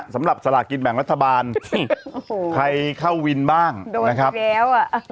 สำหรับสละกินแบ่งรัฐบาลใครเข้าวินบ้างโดนแซวอ่ะ